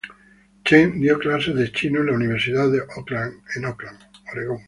Cheng dio clases de chino en la Universidad de Auckland en Auckland.